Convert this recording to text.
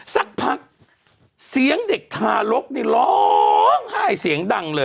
สักพักเสียงเด็กทารกนี่ร้องไห้เสียงดังเลย